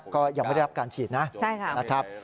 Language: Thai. ก็ยังไม่ได้รับการฉีดนะนะครับ